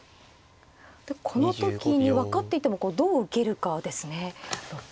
この時に分かっていてもどう受けるかですね。